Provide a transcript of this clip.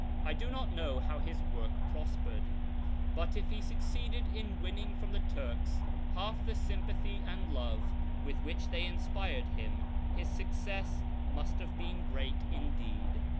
I do not know how his work prospered ; but if he succeeded in winning from the Turks half the sympathy and love with which they inspired him, his success must have been great indeed.